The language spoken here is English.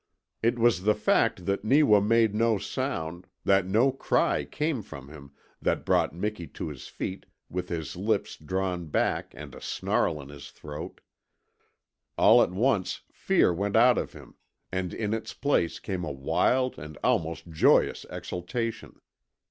It was the fact that Neewa made no sound, that no cry came from him, that brought Miki to his feet with his lips drawn back and a snarl in his throat. All at once fear went out of him and in its place came a wild and almost joyous exultation.